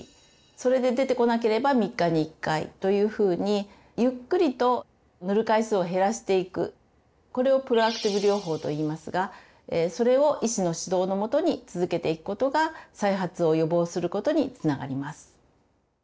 それで出てこなければ３日に１回というふうにゆっくりと塗る回数を減らしていくこれをプロアクティブ療法といいますがそれを医師の指導の下に続けていくことが再発を予防することにつながります。